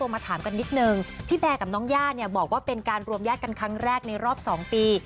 มาถามกันนิดนึงพี่แบร์กับน้องย่าเนี่ยบอกว่าเป็นการรวมญาติกันครั้งแรกในรอบ๒ปี